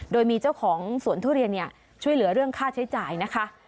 โดยมีเจ้าของสวนทุเรียนช่วยเหลือเรื่องค่าใช้จ่ายนะคะ